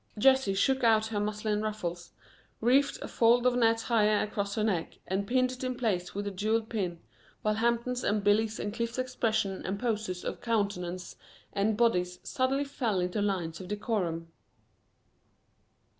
Jessie shook out her muslin ruffles, reefed a fold of net higher across her neck, and pinned it in place with a jeweled pin, while Hampton's and Billy's and Cliff's expressions and poses of countenance and bodies suddenly fell into lines of decorum.